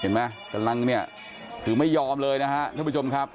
เห็นไหมกำลังเนี่ยถือไม่ยอมเลยนะครับท่านผู้ชมครับ